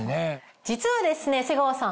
実はですね瀬川さん